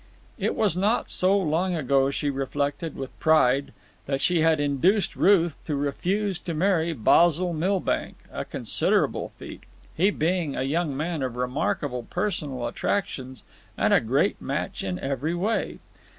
It was not so long ago, she reflected with pride, that she had induced Ruth to refuse to marry Basil Milbank—a considerable feat, he being a young man of remarkable personal attractions and a great match in every way.